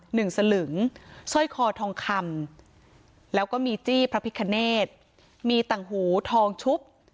หนึ่งสลึงสร้อยคอทองคำแล้วก็มีจี้พระพิคเนธมีตังหูทองชุบ